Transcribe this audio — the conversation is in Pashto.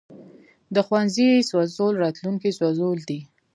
د ښوونځي سوځول راتلونکی سوځول دي.